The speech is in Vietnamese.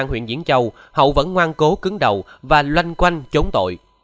nguyễn văn huyện diện châu hậu vẫn ngoan cố cứng đầu và loanh quanh chống tội